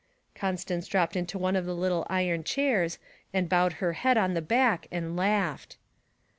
Constance dropped into one of the little iron chairs and bowed her head on the back and laughed.